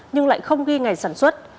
nhưng lại không ghi ngày sản xuất